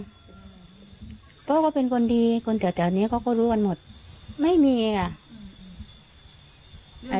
เพราะเขาเป็นคนดีคนแถวนี้เขาก็รู้กันหมดไม่มีค่ะอืม